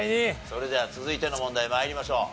それでは続いての問題参りましょう。